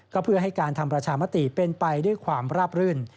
ก็เพื่อให้การทำประชามติเป็นไปด้วยความราบรื่น